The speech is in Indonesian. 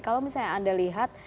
kalau misalnya anda lihat